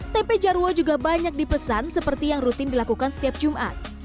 tempe jarwo juga banyak dipesan seperti yang rutin dilakukan setiap jumat